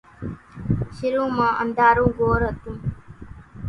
شرو مان انڌارو گھور ھتون